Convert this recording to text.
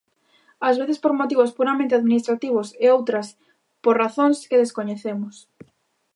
Ás veces por motivos puramente administrativos e outras, por razóns que descoñecemos.